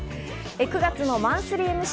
９月のマンスリーＭＣ